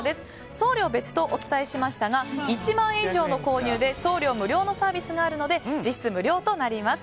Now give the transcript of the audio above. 送料別とお伝えしましたが１万円以上の購入で送料無料のサービスがあるので実質無料となります。